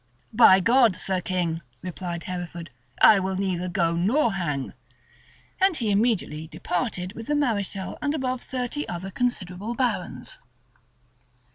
"By God, Sir King," replied Hereford, "I will neither go nor hang." [] And he immediately departed with the mareschal and above thirty other considerable barons.